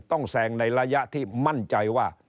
แซงในระยะที่มั่นใจว่า